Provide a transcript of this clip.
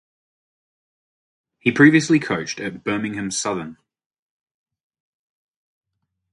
He previously coached at Birmingham–Southern.